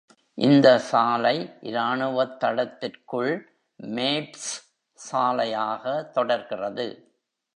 இந்த சாலை இராணுவத் தளத்திற்குள் மேப்ஸ் சாலையாக தொடர்கிறது.